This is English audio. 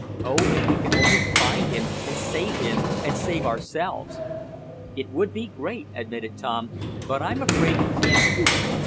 Oh, if we could only find him, and save him and save ourselves!" "It would be great!" admitted Tom. "But I'm afraid we can't do it.